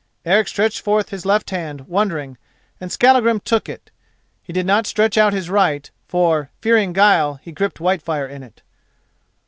Eric stretched forth his left hand, wondering, and Skallagrim took it. He did not stretch out his right, for, fearing guile, he gripped Whitefire in it.